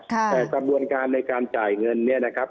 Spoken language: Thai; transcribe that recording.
แต่กระบวนการในการจ่ายเงินเนี่ยนะครับ